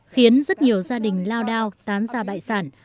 khiến rất nhiều gia đình lao đao tán ra bại sản